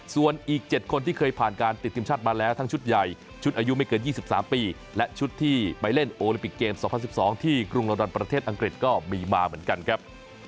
ส่วนอีก๗คนที่เคยผ่านการติดทีมชาติมาแล้วทั้งชุดใหญ่ชุดอายุไม่เกิน๒๓ปีและชุดที่ไปเล่นโอลิปิกเกม๒๐๑๒ที่กรุงลอดอนประเทศอังกฤษก็มีมาเหมือนกันครับ